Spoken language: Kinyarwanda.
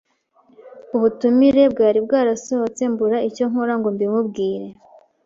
ubutumire bwari bwarasohotse mbura icyo nkora ngo mbwimure